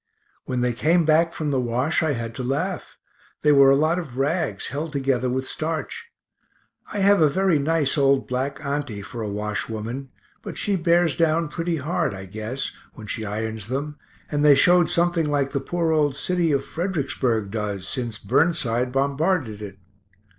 When they came back from the wash I had to laugh; they were a lot of rags, held together with starch. I have a very nice old black aunty for a washwoman, but she bears down pretty hard, I guess, when she irons them, and they showed something like the poor old city of Fredericksburg does, since Burnside bombarded it.